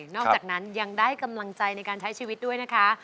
นอกจากนั้นยังได้กำลังใจในการใช้ชีวิตด้วยนะคะ